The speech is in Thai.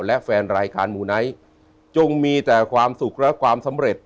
และแฟนรายการมูไนท์จงมีแต่ความสุขและความสำเร็จ